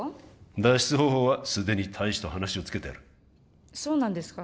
脱出方法はすでに大使と話をつけてあるそうなんですか？